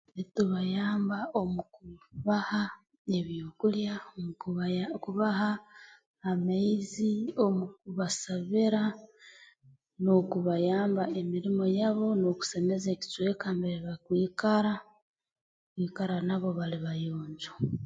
itu bayamba omu ku baha ebyokulya omu kubayaa kubaha amaizi omu kubasabira n'okubayamba emirimo yabo n'okusemeza ekicweka mbere bakwikara kwikara nabo bali bayonjo